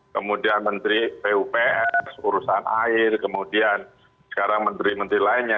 kemudian menteri pupr urusan air kemudian sekarang menteri menteri lainnya